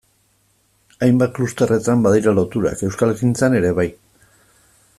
Hainbat klusterretan badira loturak, euskalgintzan ere bai...